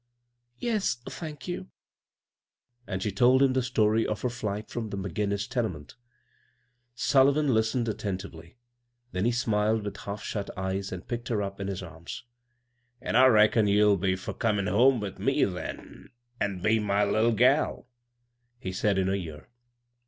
"Yes, thank you." And she told him the story of her flight from the McGinois tene ment Sullivan listened attentively ; then he smiled with half shut eyes and picked her up in his arms. " An' I reckon you'll be fur comin' home with me then, an' be my litde gal," he said in her ear.